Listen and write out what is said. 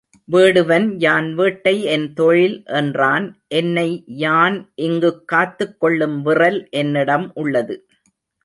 வேடுவன் யான் வேட்டை என் தொழில் என்றான் என்னை யான் இங்குக் காத்துக் கொள்ளும் விறல் என்னிடம் உள்ளது.